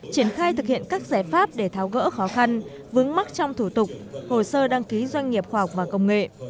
triển khai thực hiện các giải pháp để tháo gỡ khó khăn vướng mắc trong thủ tục hồ sơ đăng ký doanh nghiệp khoa học và công nghệ